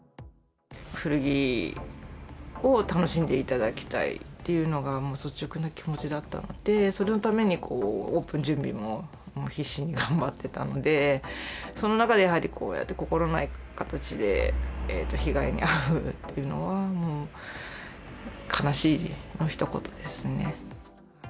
古着を楽しんでいただきたいっていうのが率直な気持ちだったので、そのためにオープン準備も必死に頑張ってたので、その中でやはり、こうやって心ない形で被害に遭うっていうのは悲しいのひと言ですね。